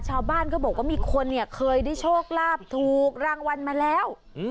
ชาวบ้านก็บอกว่ามีคนเนี่ยเคยได้โชคลาภถูกรางวัลมาแล้ว